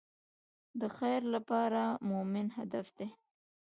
د خیر لاره د مؤمن هدف دی.